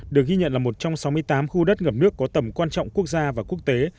được ghi nhận là một trong sáu mươi tám khu đất ngập nước có tầm quan trọng quốc gia và quốc tế